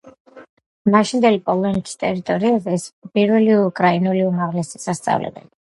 მაშინდელი პოლონეთის ტერიტორიაზე ეს იყო პირველი უკრაინული უმაღლესი სასწავლებელი.